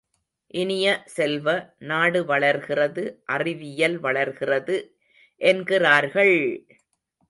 இனிய செல்வ, நாடு வளர்கிறது, அறிவியல் வளர்கிறது என்கிறார்கள்!